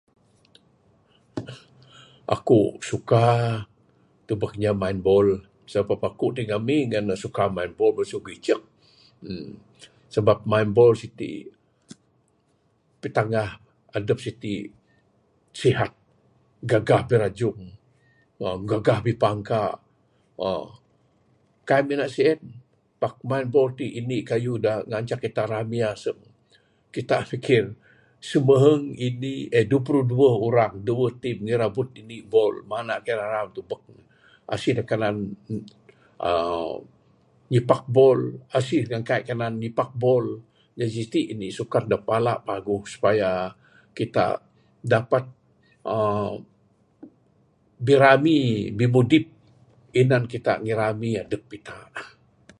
Eku suka.., tubek inya main bol, sebab ekuk tik ngumi nyah ngan suka main bol mesu legi icek uhh, sebab main bol sitik, pitanggah edep sitik, sihat gegah birejung, uhh gegah pipangka, uhh. Kaik minan sien, pak main bol tik indik keyuh de ngancak kita rami aseng, kita fikir semeheng indik uhh dueh puru dueh urang, dueh team ngirebud indik bol, mana kaik rerak tubek ne, asih de kaik kanan.., uhh nyipak bol, asih ngan kaik kanan nyipak bol, jadi sitik indik sukan de pala paguh supaya kita dapat, uhh.. birami bimudip, tinan kita ngirami edep kita uhh.